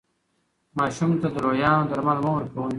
ماشوم ته د لویانو درمل مه ورکوئ.